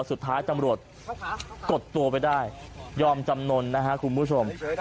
สุดท้ายตำรวจกดตัวไว้ได้ยอมจำนวนนะฮะคุณผู้ชม